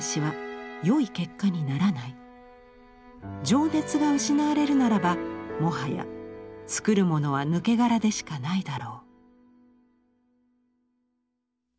情熱が失われるならばもはや作るものは抜け殻でしかないだろう」。